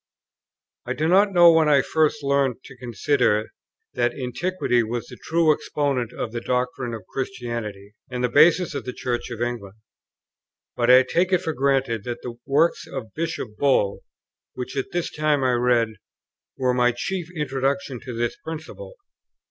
I do not know when I first learnt to consider that Antiquity was the true exponent of the doctrines of Christianity and the basis of the Church of England; but I take it for granted that the works of Bishop Bull, which at this time I read, were my chief introduction to this principle.